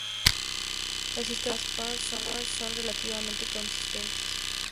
Las historias de Gaspar son relativamente consistentes.